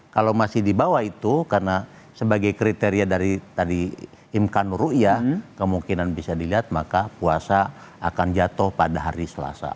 kalau masih di bawah itu karena sebagai kriteria dari tadi imkanur rukyah kemungkinan bisa dilihat maka puasa akan jatuh pada hari selasa